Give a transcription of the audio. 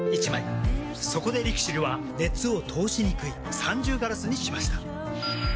そこでＬＩＸＩＬは熱を通しにくい三重ガラスにしました。